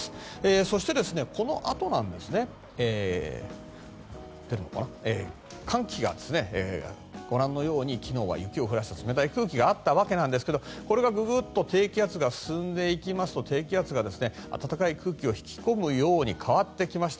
そして、このあと寒気がご覧のように昨日は雪を降らせた冷たい空気があったんですがこれがぐぐっと低気圧が進んでいきますと低気圧が暖かい空気を引き込むように変わってきました。